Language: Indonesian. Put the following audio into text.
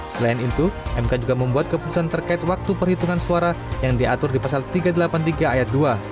selain itu mk juga membuat keputusan terkait waktu perhitungan suara yang diatur di pasal tiga ratus delapan puluh tiga ayat dua